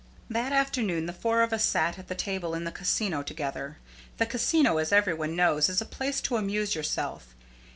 That afternoon the four of us sat at a table in the Casino together. The Casino, as every one knows, is a place to amuse yourself.